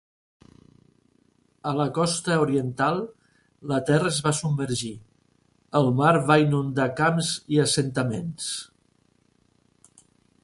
A la costa oriental, la terra es va submergir, el mar va inundar camps i assentaments.